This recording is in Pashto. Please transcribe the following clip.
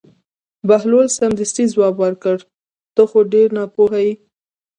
بهلول سمدستي ځواب ورکړ: ته خو ډېر ناپوهه یې.